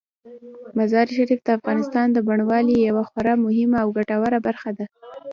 مزارشریف د افغانستان د بڼوالۍ یوه خورا مهمه او ګټوره برخه ده.